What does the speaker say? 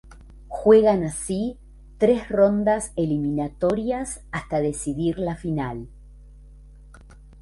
Juegan así tres rondas eliminatorias hasta decidir la final.